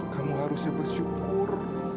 kamu harusnya bersyukur